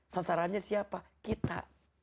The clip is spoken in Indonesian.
sasarannya siapa kita